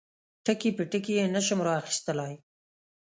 ټکي په ټکي یې نشم را اخیستلای.